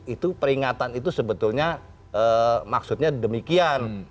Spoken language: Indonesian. itu peringatan itu sebetulnya maksudnya demikian